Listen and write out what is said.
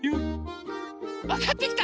わかってきた？